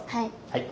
はい。